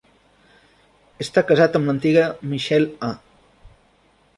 Està casat amb l'antiga Michele A.